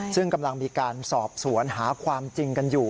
ซึ่งกำลังมีการสอบสวนหาความจริงกันอยู่